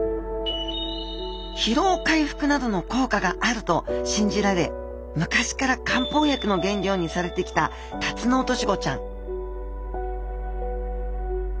疲労回復などの効果があると信じられ昔から漢方薬の原料にされてきたタツノオトシゴちゃん